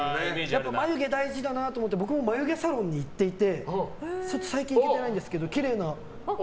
眉毛大事だなと思って僕も眉毛サロンに行っていて最近、行けてないんですけどきれいな。